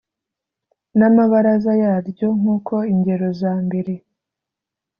N amabaraza yaryo nk uko ingero za mbere